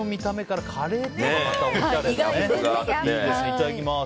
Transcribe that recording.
いただきます。